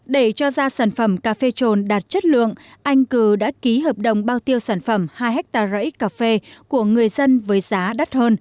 để cho ra sản phẩm cà phê trồn đạt chất lượng anh cư đã ký hợp đồng bao tiêu sản phẩm hai hectare rẫy cà phê của người dân với giá đắt hơn